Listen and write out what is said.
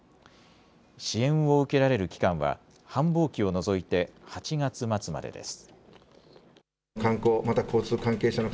支援を受けられる期間は繁忙期を除いて８月末までです。